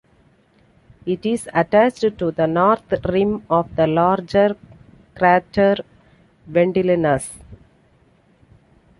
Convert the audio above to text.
It is attached to the north rim of the larger crater Vendelinus.